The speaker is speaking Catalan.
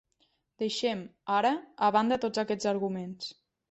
Deixem, ara, a banda tots aquests arguments.